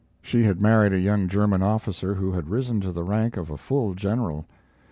She had married a young German officer who had risen to the rank of a full general.